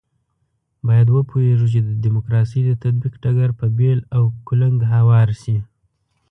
باید وپوهېږو چې د ډیموکراسۍ د تطبیق ډګر په بېل او کلنګ هوار شي.